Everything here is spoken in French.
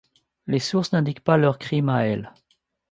Les sources n'indiquent pas leurs crimes à elles.